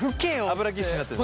油ギッシュになってんの。